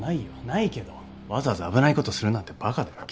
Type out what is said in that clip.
ないけどわざわざ危ないことするなんてバカだよ。